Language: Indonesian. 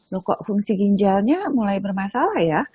loh kok fungsi ginjalnya mulai bermasalah ya